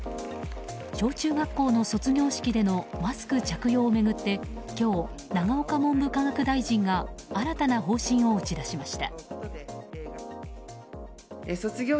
小中学校の卒業式でのマスク着用を巡って今日、永岡文部科学大臣が新たな方針を打ち出しました。